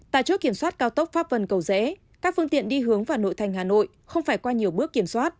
tại chốt kiểm soát cao tốc pháp vân cầu rẽ các phương tiện đi hướng vào nội thành hà nội không phải qua nhiều bước kiểm soát